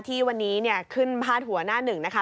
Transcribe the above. ที่วันนี้ขึ้นพาดหัวหน้าหนึ่งนะคะ